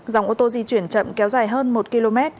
dòng ô tô di chuyển chậm kéo dài hơn một km